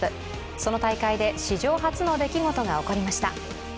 その大会で史上初の出来事が起こりました。